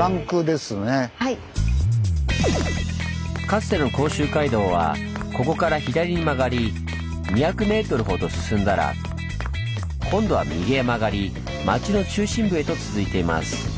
かつての甲州街道はここから左に曲がり２００ｍほど進んだら今度は右へ曲がり町の中心部へと続いています。